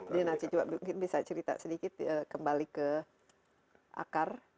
dinasti coba mungkin bisa cerita sedikit kembali ke akar